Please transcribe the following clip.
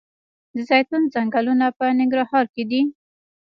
د زیتون ځنګلونه په ننګرهار کې دي؟